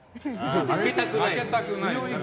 負けたくない。